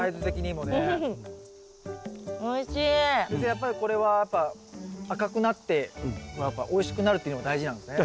やっぱりこれはやっぱ赤くなってやっぱおいしくなるっていうのが大事なんですね。